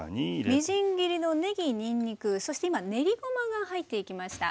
みじん切りのねぎにんにくそして今練りごまが入っていきました。